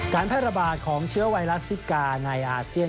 แพร่ระบาดของเชื้อไวรัสซิกาในอาเซียน